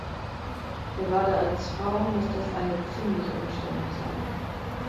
Gerade als Frau muss das eine ziemliche Umstellung sein.